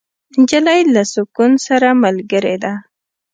نجلۍ له سکون سره ملګرې ده.